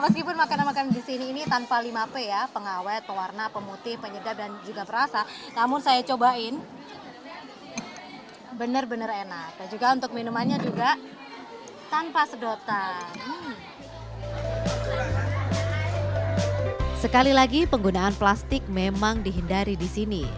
sekali lagi penggunaan plastik memang dihindari di sini